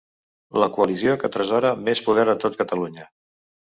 La coalició que atresora més poder a tot Catalunya.